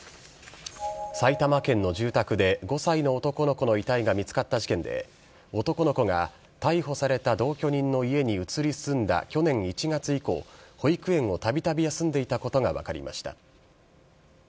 埼玉県の住宅で、５歳の男の子の遺体が見つかった事件で、男の子が逮捕された同居人の家に移り住んだ去年１月以降、保育園をたびたび休んでいたことが分かりました。